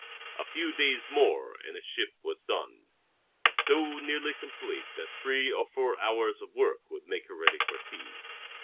A few days more and the ship was done so nearly complete that three or four hours of work would make her ready for sea.